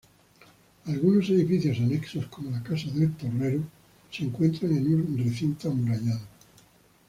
Algunos edificios anexos, como la casa del torrero, se encuentran en un recinto amurallado.